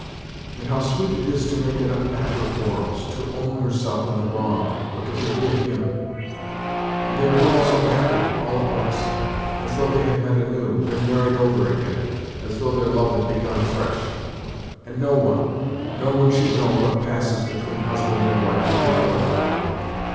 And how sweet it is to make it up after quarrels, to own herself in the wrong or to forgive him ! And they are both so happy all at once as though they had met anew, been married over again ; as though their love had begun afresh. And no one, no one should know what passes between husband and wife if they love one another.